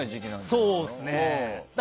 そうですね。